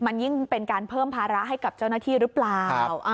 มันยิ่งเป็นการเพิ่มภาระให้กับเจ้าหน้าที่หรือเปล่า